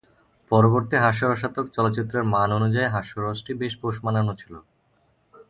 পরবর্তী হাস্যরসাত্মক চলচ্চিত্রের মান অনুযায়ী হাস্যরসটি বেশ পোষ মানানো ছিল।